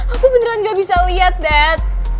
aku beneran gak bisa liat dad